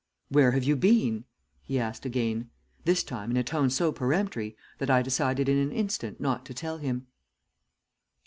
"'Where have you been?' he asked again, this time in a tone so peremptory that I decided in an instant not to tell him.